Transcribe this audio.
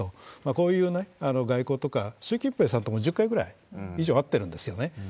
こういうね、外交というか、習近平さんとも５０回くらい以上会ってるんですよね。